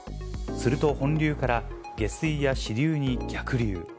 すると本流から下水や支流に逆流。